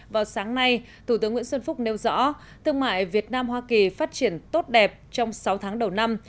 vào sáng nay thủ tướng nguyễn xuân phúc nêu rõ thương mại việt nam hoa kỳ phát triển tốt đẹp trong sáu tháng đầu năm